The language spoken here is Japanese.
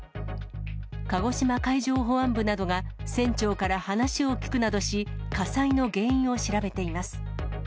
鹿児島海上保安部などが船長から話を聴くなどし、火災の原因を調べています。